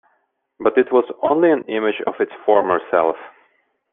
But it was only an image of its former self.